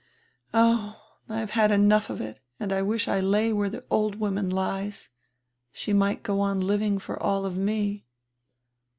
Oh, I have had enough of it and I wish I lay where die old woman lies. She might go on living for all of me.